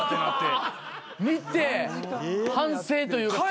見て反省というか。